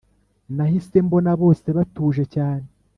Nahise mbona bose batuje cyane